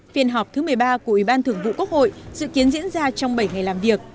phiên họp thứ một mươi ba của ủy ban thường vụ quốc hội dự kiến diễn ra trong bảy ngày làm việc